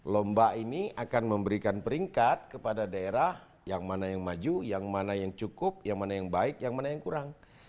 lomba ini akan memberikan peringkat kepada daerah yang mana yang maju yang mana yang cukup yang mana yang baik yang mana yang kurang